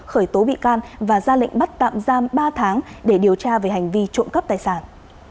khởi tố bị can và ra lệnh bắt tạm giam ba tháng để điều tra về hành vi trộm cắp tài sản